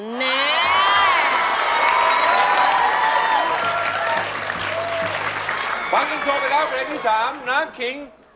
เลขนี้๓น้ำขึง